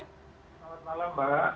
selamat malam mbak